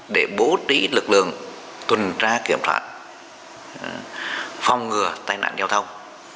để bố trí lực lượng tuần tra kiểm soát phòng ngừa tai nạn giao thông